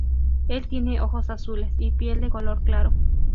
Él tiene ojos azules y piel de color claro.